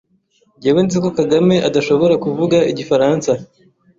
Njyewe nzi ko Kagame adashobora kuvuga igifaransa.